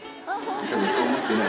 たぶんそう思ってない。